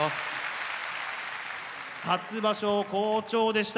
初場所好調でした。